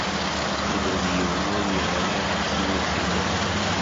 Ula d yiwen ur yeɣri ɣef tmurt-inu.